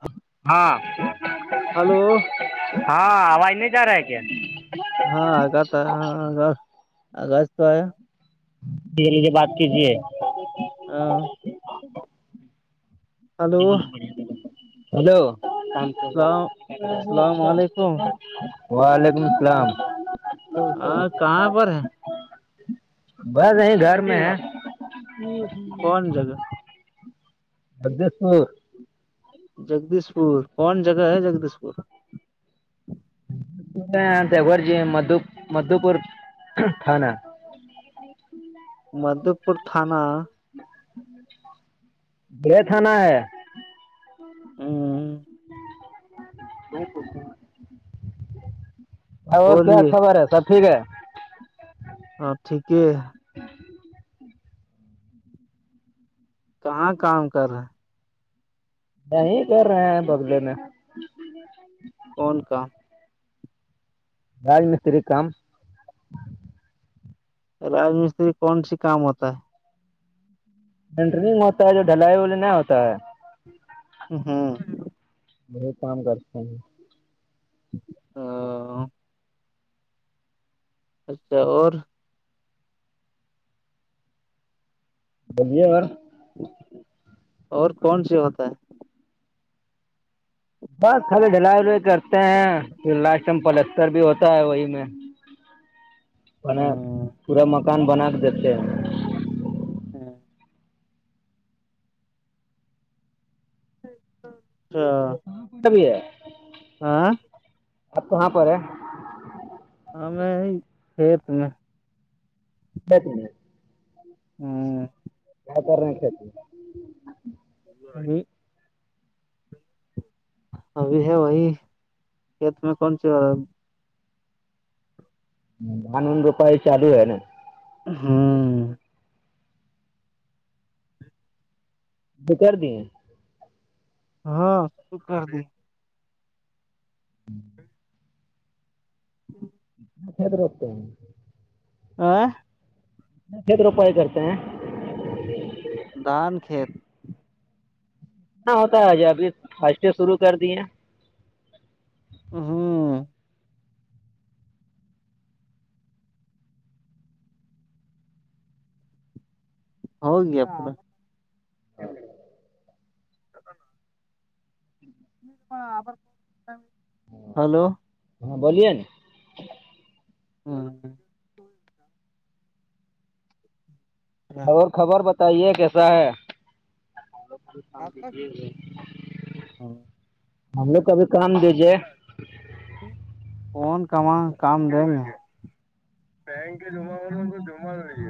ہ [inaudible] ہاں ہلو ہاں آواز نہیں جا رہا ہے کیا ہاں آگاز تھا ہاں آغاز تو آیا یہ لیجے بات کیجیے ہ ہلو ہیلو کام تھا اللام السلام علیکم رہا وعلیکم السلام ہاں کہاں پر ہے بس یہیں گھر میں ہے کون جگہ بدسو جگدیش پور کون جگہ ہے جگدیش پور دگور جی مد مدو پور تھانا مد پور تھانا [unintelligible] بڑے تھانا ہے ہوں میں پوچ اور کیا بولیے خبر ہے سب ٹھیک ہے ہاں ٹھیک ہے کہاں کام کر رہے یہ کر رہے ہیں بگلے میں جیک س ان کا راج مستری کام راج مستری کون سی کام ہوتا ہے انینٹری میں ہوتا ہے جو ڈھل ہے بولے نہیں ہوتا ہے ہاں بہت کام کرتے ہیں ہ اچھا اور بولیے یار اور کون سے ہوتا ہے بس کال ڈھلائی ولائی کرتے ہیں پ لشٹم پلستر بھی ہوتا ہے وہی میں [inaudible] م پورا مکان بنا کے دیتے ہاں ہچ تبھی ہے ہا آپ کہاں پر ہے ہاں میں کھیت میں بت ہاں آ کرنے نہیں ابھی ہے وہی کھیت میں کون سی لانون روپائی چالو ہے نا ہاں وہ کر دیے ہاں س کر د ہوں ہوں کھیت روکھتے ہیں آ چت روپائی کرتے ہیں دان کھیت اتنا ہوتا ہے آج ابھی فسٹ شروع کر دیے ھم ہو گیا ہاں ہاں ہلو ہاں بولیے ن ہاں اور خبر بتائیے کیسا ہے ہم لوگ کبھی کام دیجیے کون کہماں کام دے میں بینک جم والوں تو جم نہیں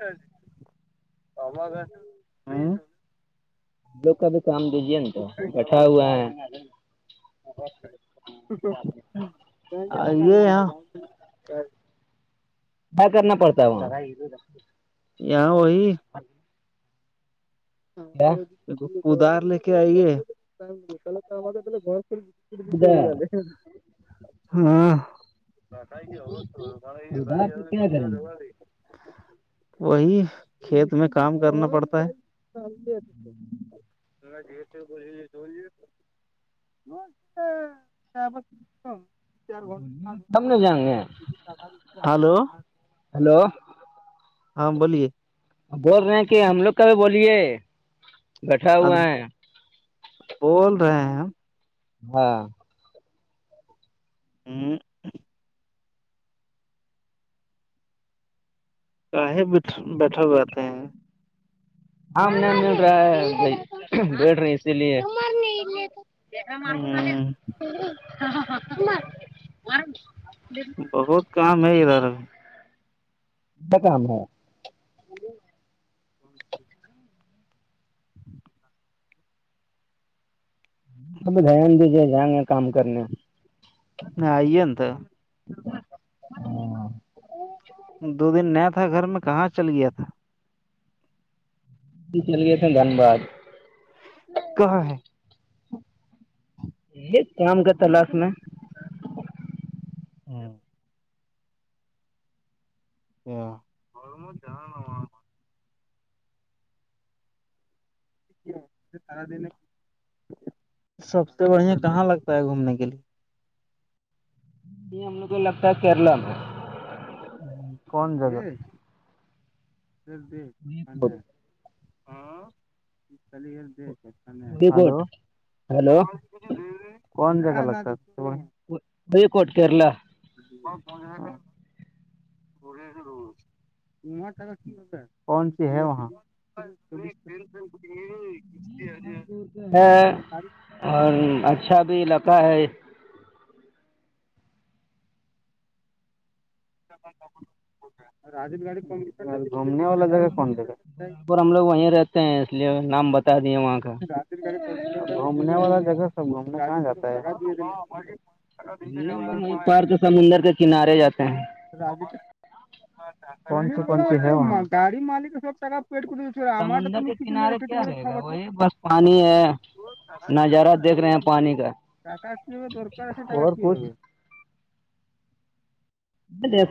ہے ہ لوگ کا بھی کام دیجیے نا تو بیٹھا ہوا ہے اے آ کیا کرنا پڑتا ہو یہا وہی کیا ادار لے کےے آئیے گ ہاں گے ادھر یہ ج جو گاڑ ج، ی کٹ ادھر پہ کیا گا کریں گے جگای وہی کھیت میں کام کرنا پڑتا ہے جٹ کوے وہ شپ ہم نے جائیں گے ہلو ہلو ہاں بولیے بول رہے ہیں کہ ہم لوگ کبھی بولیے گٹھا ہوا ہے بول رہے ہیں ہم ہاں ھم کہیں بیٹھ بیٹھا ہوے ہیں آم نیم مل رہا ہے ب بیٹ رہے اسی لیے ا ہ مار بہت کام ہے ادھر ابھی ب کام ہے اب دھیان دیجیے جائیں گے کام کرنے نہیں آئیے ن تو ہ دو دن نیا تھا گھر میں کہاں چل گیا تھا چل گئے تھے دھنباد کہاں ہے ہاں ایک کام کرتا لاش میں ہوں او اوروم جان ن سب سے بڑھیا کہاں لگتا ہے گھومنے کے لیے ہم لوگ کو لگتا ہے کیرلا میں ہ کون جگاہ میں دلیر د ہلو کوٹ ہیلو کون جگا لگتا وہ کووٹ کیرلہ پہن ج ہے ک مڑے کون سی ہے وہاں ک ہے اور اچھا بھی علاقہ ہے گاڑ کو گھومنے والا جگا کون دگا ہم لوگ وہیں رہتے ہیں اس لیے نام بتا دیے وہاں کا گھومنے والا جگہ سب گھومنے کہاں جاتا ہے نہیں وہیں پار تو سمندر کے کنارے جاتے ہیں گاڑی مالک ہے سبا پیٹ کو سمندر کے کنارے کیا رہے گا وہ یہ ب پانی ہے نظارہ دیکھ رہے ہیں پانی کا آکش میں درک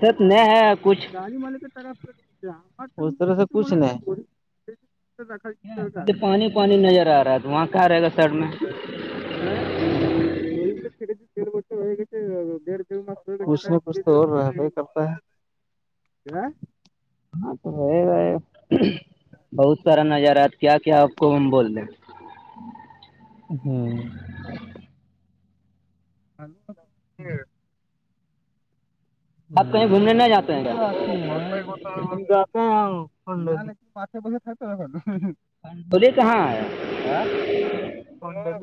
دست نہیں ہے کچھ گاڑی والے کی طرف اس طرح سے کچھ نہیں پانی پانی نظر آ رہا ہے تو وہاں کہاں رہے گا سر میں ہ د م چڑے د دڑ بر گی کچھ نہیں کچھ تو ہو رہ ہی کرتا ہے ہاں تو رہ گا ہے بہت سارا نظار کیا کیا آپ کو ہم بول دیں ہوں ہلو آپ کہیں گھومنے نہ جاتے ہیں کیا م بتا بسے بسے تھتا کنڈولی کہاں ہے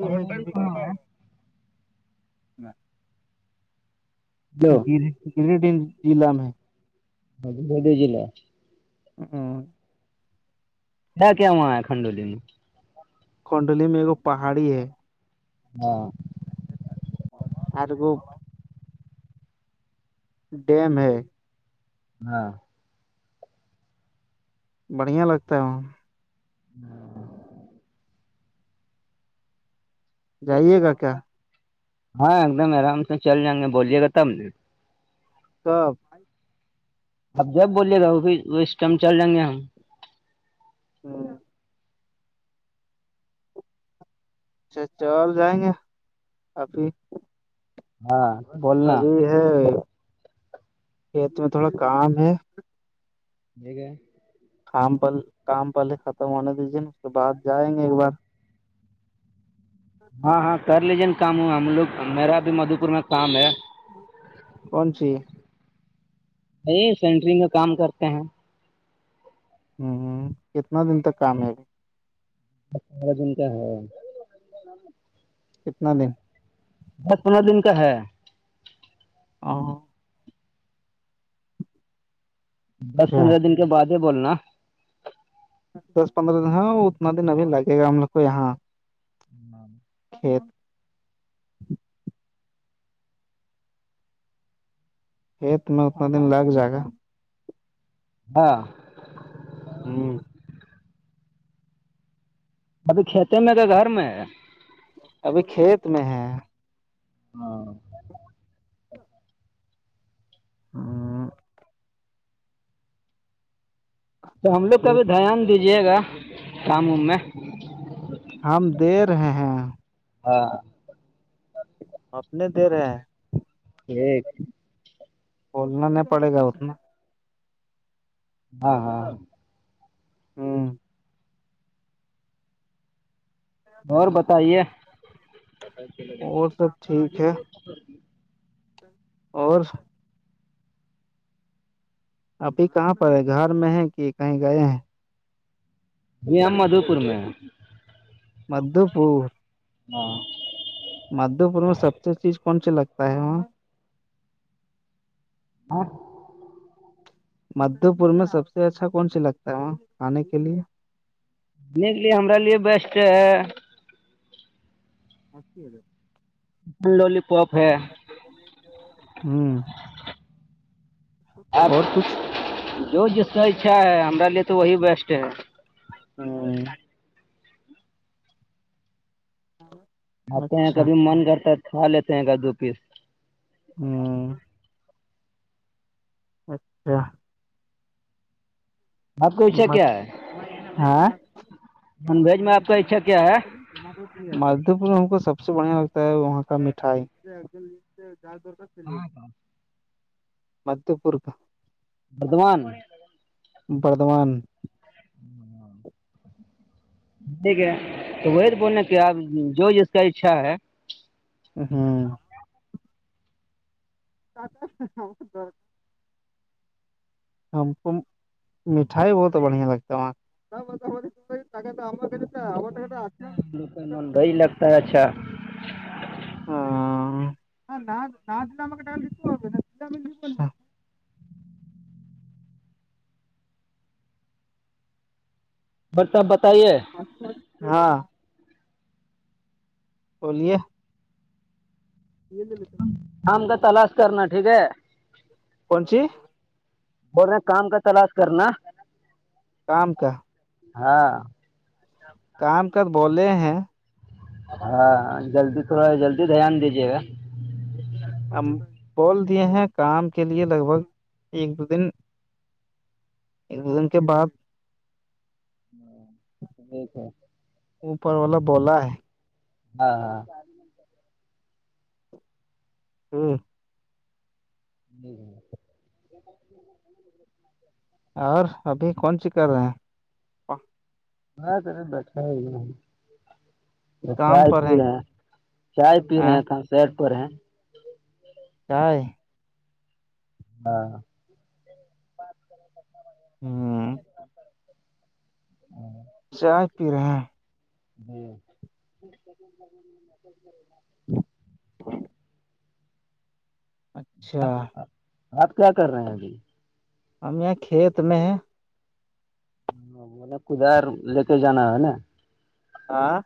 کنڈولی کہاں ا ہے جو گ گریڈ ضلع میں ہ بد ج ل ہوں کیا کیا وہاں ہے کنڈولی میں کنڈلی میں ایکگ پہاڑی ہے ہاں آر کو [unintelligible] ڈیم ہے [unintelligible] ہاں بڑھیا لگتا ہے وہ ہاں [inaudible] جائیے گا کیا ہاں ایک دم آرام سے چل جائیں گے بولیے گا تب سب [unintelligible] اب جب بوللیے گا وہ پھر اس ٹائم چل جائیں گے ہم ہ اچھا چ آ جائیں گے ابھی ہاں بولنا ابھی کھیت میں تھوڑا کام ہے ج گ کام پل کام پہلے ختم ہونے دیجیے نا اس کے بعد جائیں گے ایک بار ہاں ہاں کر لیجیے نا کام ہم لوگ میرا بھی مدو پور میں کام ہے کون سی یہ سینٹری میں کام کرتے ہیں ہوں ہ کتنا دن تک کامیابی ارا جن کیا ہے [unintelligible] [unintelligible] کتنا دن دس پندرہ دن کا ہے ا [unintelligible] دس پندرہ دن کے بع ہی بولنا دس پندرہ دن ہے وہ اتنا دن ابھی لگے گا ہم لوگ کو یہاں ہ [inaudible] کھیت [unintelligible] کھیت میں اتنا دن لگ جائے گا [unintelligible] ہاں ہوں ابھی کھیتے میں تو گھر میں ہے ابھی کھیت میں ہے ہاں ہ [unintelligible] تو ہم لوگ کابھی کھیت دھیان دیجیے گا کام ووم میں ہم دے رہے ہیں ہاں اپنے دے رہے ہیں [unintelligible] ایک [unintelligible] بولنا نہیں پڑے گا اتنا ہاں ہاں ہاں ہاں [unintelligible] اور بتائیے اور سب ٹھیک ہے اور ابھی کہاں پر ہے گھر میں ہے کہ کہیں گئے ہیں جی امدھوپور میں مدو پور ہاں مدھو پور میں سب سے چیز کون سی لگتا ہے وہاں اور مدھے پور میں سب سے اچھا کون سی لگتا ہے وہاں کھانے کے لیے کے لیے ہمر لیے بیسٹ ہے مسید لولی پاپ ہے ہوں آپ اور کچھ جو جس سے اچھا ہے ہمار لیے تو وہی بیسٹ ہے ہوں ہاں [inaudible] کھاتے ہیں کبھی من کرتا ہے کھا لیتے ہیں کب دو پیس ہوں اچھا [unintelligible] آپ کا اچھا کیا ہے ہاں نان ویج میں آپ کا اچھا کیا ہے مدھے پور میں ہم کو سب سے بڑھیا لگتا ہے وہاں کا مٹھائی چلی مد پورک بردمان بردھمان ٹھیک ہے تو وہی تو بولنا کہ آپ جو جس کا اچھا ہے ہوں [inaudible] ہم کو مٹھائی بہت بڑھیا لگتا ہے مٹھ لگتا ہے لگتا ہے اچھا ہاں اں دہم رو سب بتائیے ہاں بولیے [inaudible] آم کا تلاش کرنا ٹھیک ہے کونچی اورور میں کام کا تلاش کرنا کام کا ہاں کام کر بولے ہیں ہاں جلدی تھوڑا جلدی دھیان دیجیے گا ہم بول دیے ہیں کام کے لیے لگ بھگ ایک دو دن ایک دو دن کے بعد [inaudible] یک ہے اوپر والا بولا ہے ہاں ہاں ہاں جی [inaudible] اور ابھی کون سی کر رہے ہیں ہاں تر بیٹھا ہی تو کام چائے پر پی رہے ہیں چائے پی رہے ا ہیں تو سیڈ پر ہیں چائے ہاں ہوں ہاں چ آائے پی رہے ہیں ہوں ہ اچھا آپ کیا کر رہے ہیں ابھی ہم یہاں کھیت میں ہیں ہ م کدار لے کے جانا ہے نا آاں